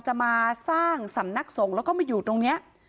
จะมาสร้างสำนักสงฆ์แล้วก็มาอยู่ตรงนี้